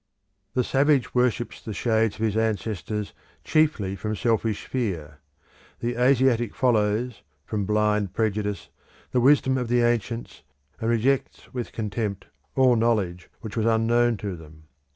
The savage worships the shades of his ancestors chiefly from selfish fear; the Asiatic follows, from blind prejudice, the wisdom of the ancients, and rejects with contempt all knowledge which was unknown to them.